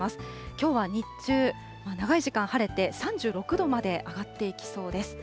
きょうは日中、長い時間晴れて３６度まで上がっていきそうです。